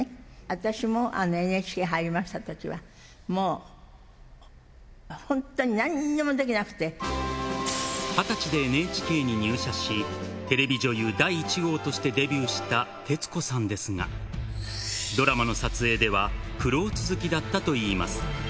私も、ＮＨＫ入りましたときは、２０歳でＮＨＫに入社し、テレビ女優第１号としてデビューした徹子さんですが、ドラマの撮影では、苦労続きだったといいます。